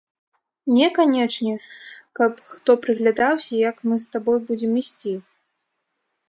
Не канечне, каб хто прыглядаўся, як мы з табой будзем ісці.